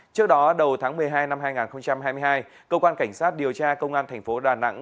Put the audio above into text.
trước đó đầu tháng một mươi hai năm hai nghìn hai mươi hai cơ quan cảnh sát điều tra công an thành phố đà nẵng